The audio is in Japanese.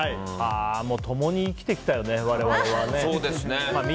もう共に生きてきたよね、我々は。